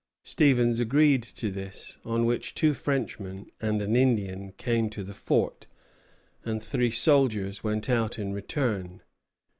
Stevens agreed to this, on which two Frenchmen and an Indian came to the fort, and three soldiers went out in return.